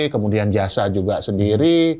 kemudian jasa juga sendiri